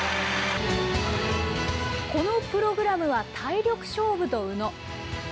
このプログラムは体力勝負と宇野。